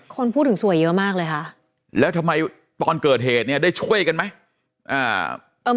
คนพูดถึงสวยเยอะมากเลยค่ะแล้วทำไมตอนเกิดเหตุเนี่ยได้ช่วยกันไหมอ่า